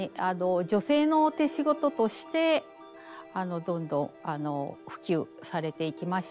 女性の手仕事としてどんどんあの普及されていきました。